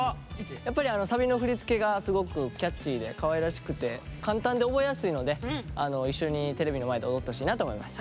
やっぱりサビの振り付けがすごくキャッチーでかわいらしくて簡単で覚えやすいので一緒にテレビの前で踊ってほしいなと思います。